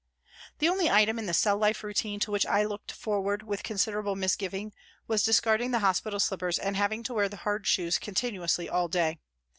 The only item in the cell life routine to which I looked forward with considerable misgiving was discarding the hospital slippers and having to wear the hard shoes continuously all day.